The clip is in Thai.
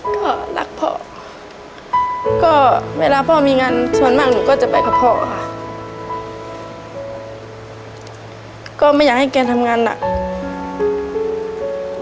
ก็รักพ่อก็เวลาพ่อมีงานส่วนมากหนูก็จะไปกับพ่อค่ะก็ไม่อยากให้แกทำงานหนัก